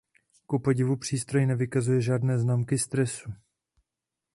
Kupodivu přístroj nevykazuje žádné známky stresu.